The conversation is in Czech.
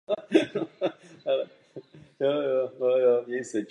Jako zpěvák a hudebník vydal přibližně dvacet alb.